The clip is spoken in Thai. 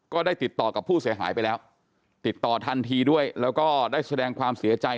ก็ได้ติดต่อกับผู้เสียหายไปแล้วติดต่อทันทีด้วยแล้วก็ได้แสดงความเสียใจ